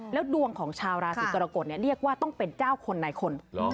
แล้วดวงของชาวราศีกรกฎเรียกว่าต้องเป็นเจ้าคนในคน